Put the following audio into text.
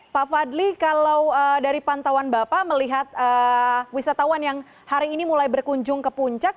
pak fadli kalau dari pantauan bapak melihat wisatawan yang hari ini mulai berkunjung ke puncak